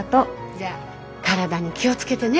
じゃあ体に気を付けてね。